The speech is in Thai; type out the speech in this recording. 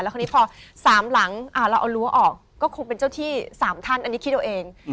คราวนี้พอ๓หลังเราเอารั้วออกก็คงเป็นเจ้าที่๓ท่านอันนี้คิดเอาเอง